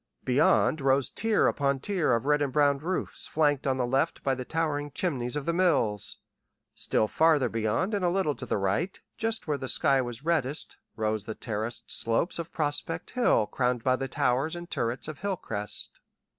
Beyond rose tier upon tier of red and brown roofs flanked on the left by the towering chimneys of the mills. Still farther beyond and a little to the right, just where the sky was reddest, rose the terraced slopes of Prospect Hill crowned by the towers and turrets of Hilcrest.